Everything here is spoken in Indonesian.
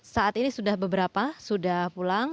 saat ini sudah beberapa sudah pulang